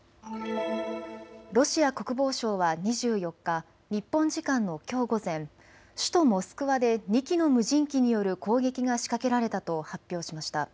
ロシア国防省は２４日、日本時間のきょう午前、首都モスクワで２機の無人機による攻撃が仕掛けられたと発表しました。